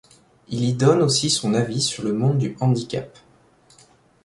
Il y donne aussi son avis sur le monde du handicap.